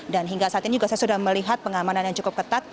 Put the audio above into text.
dan hingga saat ini juga saya sudah melihat pengamanan yang cukup ketat